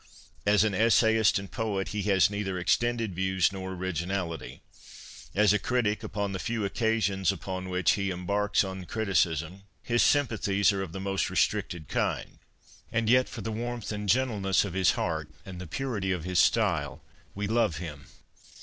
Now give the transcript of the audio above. As an essayist and poet, he has neither extended views nor originality ; as a critic, upon the few occasions upon which he em barks on criticism his sympathies are of the most re stricted kind.' And yet for the warmth and gentle ness of his heart and the purity of his style we love him.